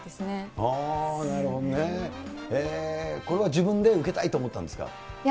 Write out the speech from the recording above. これは自分で受けたいって思ったんですか？